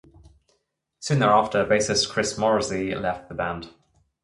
Soon thereafter, bassist Chris Morrisey left the band.